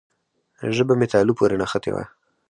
ژبه مې تالو پورې نښتې وه.